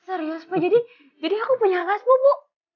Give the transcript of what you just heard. serius pak jadi aku punya kakak sepupu